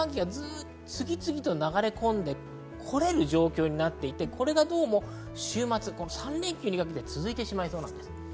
次々と流れ込んで来れる状況になっていて、これがどうも週末、３連休にかけて続いてしまいそうです。